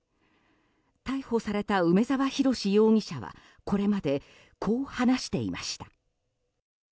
逮捕された梅沢洋容疑者はこれまで、こう話していました。